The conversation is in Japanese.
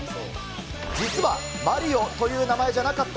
実は、マリオという名前じゃなかった？